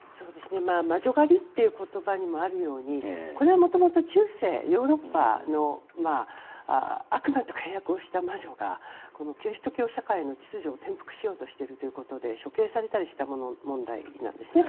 魔女狩りという言葉にもあるようにこれは元々、中世ヨーロッパの悪魔と契約した魔女がキリスト教社会の秩序を転覆しようとしているということで処刑された問題なんですね。